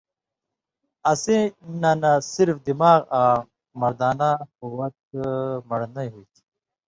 اسی نہ نہ صرف دماغ آں مردانہ قوت من٘ڑنئی ہُوئ تھی۔